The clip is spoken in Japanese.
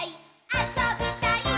あそびたいっ！！」